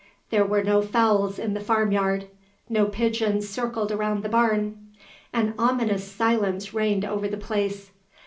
There were no fowls in the farm yard. No pigeons circled around the barn. An ominous silence reigned over the place.